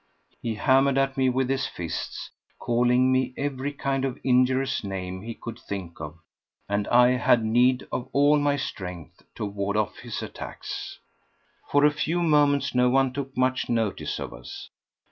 He hammered at me with his fists, calling me every kind of injurious name he could think of, and I had need of all my strength to ward off his attacks. For a few moments no one took much notice of us.